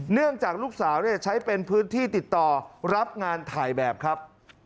เนื่องจากลูกสาวใช้เป็นพื้นที่ติดต่อรับงานถ่ายแบบครับ